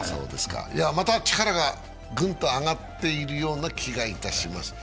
また力がぐんと上がってるような気がします。